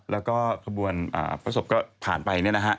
แล้วก็ขบวนพระศพก็ผ่านไป